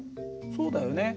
そうだよね。